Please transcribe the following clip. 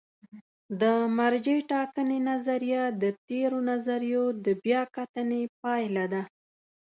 د مرجع ټاکنې نظریه د تېرو نظریو د بیا کتنې پایله ده.